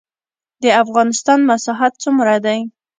د افغانستان مساحت څومره دی؟